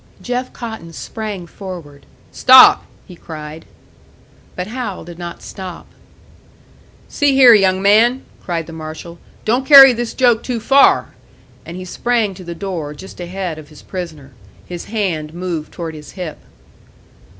Jeff Cotton sprang forward. "Stop!" he cried. But Hal did not stop. "See here, young man!" cried the marshal. "Don't carry this joke too far!" And he sprang to the door, just ahead of his prisoner. His hand moved toward his hip.